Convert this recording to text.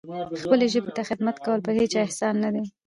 خپلې ژبې ته خدمت کول پر هیچا احسان نه دی.